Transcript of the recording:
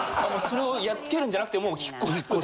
それをやっつけるんじゃなくてもう引っこ。